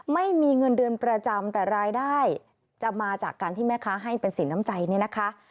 ไม่มีเงินเดือนประจำแต่รายได้จะมาจากการที่แม่ค้าให้เป็นสินน้ำใจเนี่ยนะคะ